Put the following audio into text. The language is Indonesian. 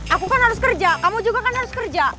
aku kan harus kerja kamu juga kan harus kerja